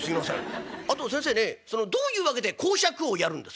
あと先生ねどういう訳で講釈をやるんですか？」。